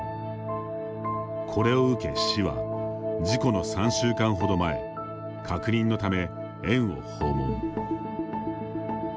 これを受け、市は事故の３週間程前確認のため園を訪問。